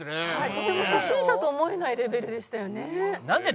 とても初心者と思えないレベルでしたよね。